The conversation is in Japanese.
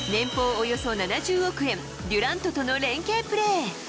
およそ７０億円、デュラントとの連係プレー。